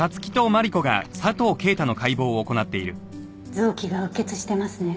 臓器がうっ血してますね。